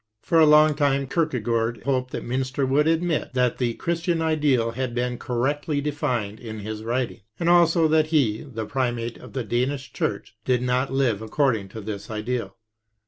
For a long time Kierke^ard hoped that Mynster would admit that the Christian ideal had been co^ rectly defined in his writings, and ako that he, the primate of the Danish churdi, did not live accord ing to this ideal.